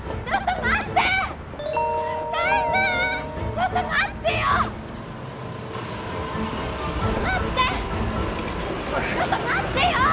ちょっと待ってよ！